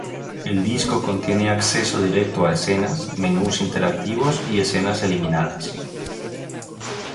El disco contiene acceso directo a escenas, menús interactivos y escenas eliminadas.